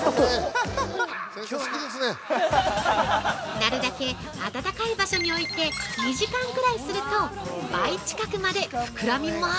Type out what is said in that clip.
◆なるだけ温かい場所に置いて２時間くらいすると倍近くまで膨らみます。